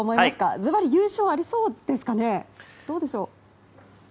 ずばり、優勝ありそうですかね。